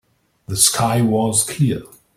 The sky was clear.